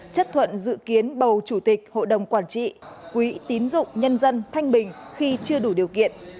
chất thuận dự kiến bầu chủ tịch hội đồng quản trị quỹ tín dụng nhân dân thanh bình khi chưa đủ điều kiện